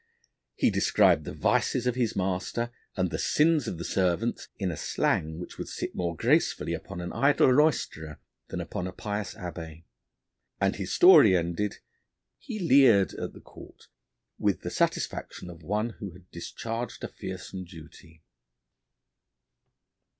He described the vices of his master and the sins of the servants in a slang which would sit more gracefully upon an idle roysterer than upon a pious Abbé. And, his story ended, he leered at the Court with the satisfaction of one who had discharged a fearsome duty.